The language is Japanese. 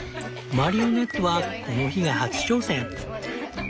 マリオネットはこの日が初挑戦。